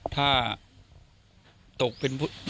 ถ้าตกเป็น